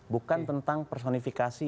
bukan tentang personifikasi